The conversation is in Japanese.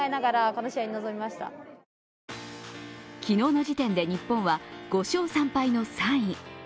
昨日の時点で日本は５勝３敗の３位。